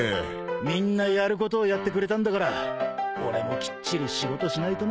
みんなやることをやってくれたんだから俺もきっちり仕事しないとな。